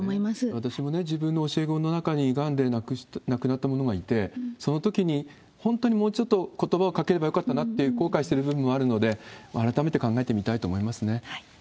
私も自分の教え子の中にがんで亡くなった者がいて、そのときに、本当にもうちょっとことばをかければよかったなと後悔してる部分もあるので、改めて考えてみたいと思いますね。